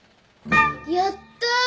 やった！